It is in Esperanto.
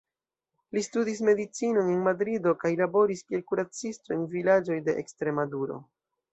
Li studis medicinon en Madrido kaj laboris kiel kuracisto en vilaĝoj de Ekstremaduro.